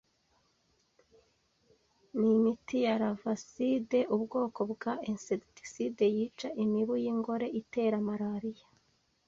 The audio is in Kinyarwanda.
ni imiti ya Larvicide, ubwoko bwa insecticide yica imibu y'ingore itera malaria.